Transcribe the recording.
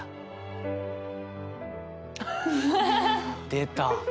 出た。